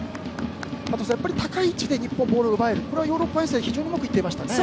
加藤さん、やはり高い位置で日本はボールをもらえるこれはヨーロッパ遠征が非常にうまくいっていましたね。